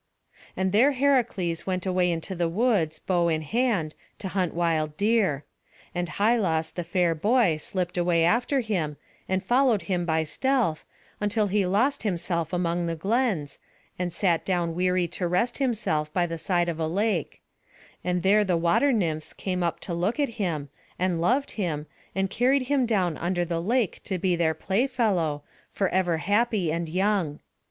And there Heracles went away into the woods, bow in hand, to hunt wild deer; and Hylas the fair boy slipt away after him, and followed him by stealth, until he lost himself among the glens, and sat down weary to rest himself by the side of a lake; and there the water nymphs came up to look at him, and loved him, and carried him down under the lake to be their playfellow, forever happy and young.